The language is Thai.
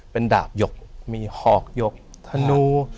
เป็นดาบหยกมีหอกหยกธนู